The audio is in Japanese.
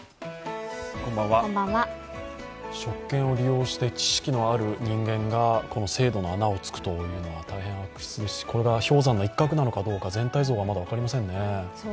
職権を利用して知識のある人間が制度の穴を突くというのは大変悪質ですしこれが氷山の一角なのかどうか全体像が分かりませんね。